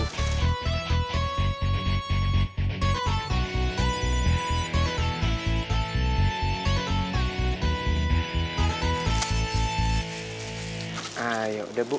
nah ya udah bu